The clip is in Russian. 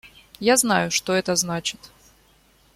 Я знаю, что это значит.